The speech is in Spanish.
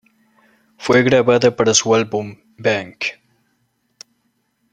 Fue grabada para su álbum "¡Bang!